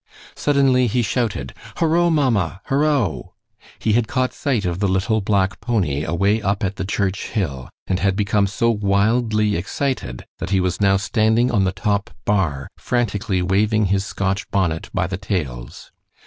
Suddenly he shouted: "Horo, mamma! Horo!" He had caught sight of the little black pony away up at the church hill, and had become so wildly excited that he was now standing on the top bar frantically waving his Scotch bonnet by the tails.